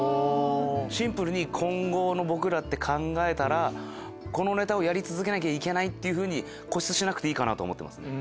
シンプルに今後の僕らって考えたらこのネタ続けなきゃいけないって固執しなくていいかと思ってます。